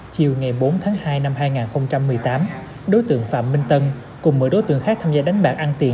chiều ngày bốn tháng hai năm hai nghìn một mươi tám đối tượng phạm minh tân cùng mỗi đối tượng khác tham gia đánh bạc ăn tiền